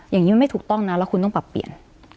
อย่างนี้มันไม่ถูกต้องนะแล้วคุณต้องปรับเปลี่ยน